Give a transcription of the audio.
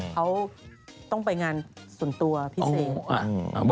เขาต้องไปงานส่วนตัวพิเศษ